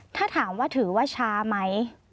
ถ้าถามว่าถือว่าช้าไหม